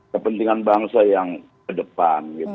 kepentingan bangsa yang ke depan